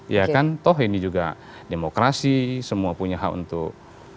ya kan toh ini juga demokrasi semua punya hak untuk